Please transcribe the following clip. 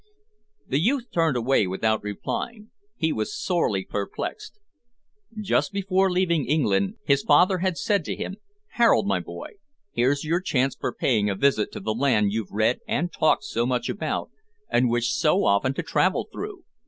The youth turned away without replying. He was sorely perplexed. Just before leaving England his father had said to him, "Harold, my boy, here's your chance for paying a visit to the land you've read and talked so much about, and wished so often to travel through.